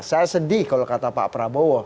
saya sedih kalau kata pak prabowo